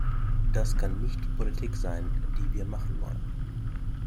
Das kann nicht die Politik sein, die wir machen wollen.